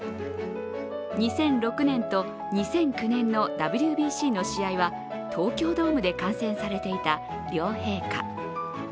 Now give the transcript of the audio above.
２００６年と２００９年のＷＢＣの試合は東京ドームで観戦されていた両陛下。